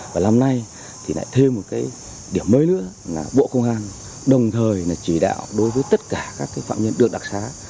và năm nay thì lại thêm một cái điểm mới nữa là bộ công an đồng thời chỉ đạo đối với tất cả các phạm nhân được đặc xá